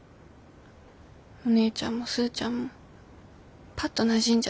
お姉ちゃんもスーちゃんもパッとなじんじゃってすごいよ。